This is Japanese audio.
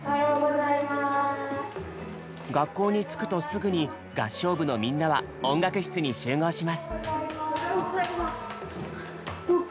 学校に着くとすぐに合唱部のみんなは音楽室に集合します。